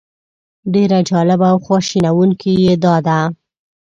ډېره جالبه او خواشینونکې یې دا ده.